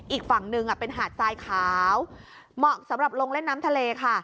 อีกฝั่งหนึ่งเป็นหาดทรายขาวเหมาะสำหรับลงเล่นน้ำทะเลค่ะ